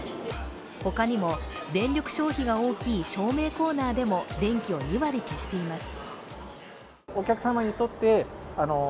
他にも、電力消費が大きい照明コーナーでも電気を２割消しています。